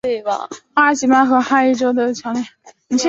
阿吉曼和哈伊马角的麦加利地震烈度为。